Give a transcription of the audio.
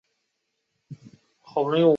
马蒂发现埃迪开了作弊码。